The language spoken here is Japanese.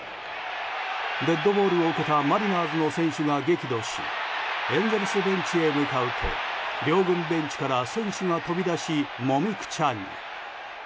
デッドボールを受けたマリナーズの選手が激怒しエンゼルスベンチへ向かうと両軍ベンチから選手が飛び出しもみくちゃに。